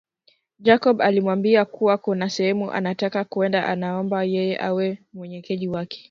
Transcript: Jacob alimwambia kuwa kuna sehemu anataka kwenda anaomba yeye awe mwenyeji wake